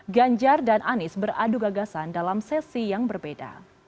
ganjar dan anies beradu gagasan dalam sesi yang berbeda